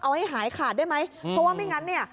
เอาให้หายขาดได้ไหมเพราะว่าไม่งั้นเนี่ย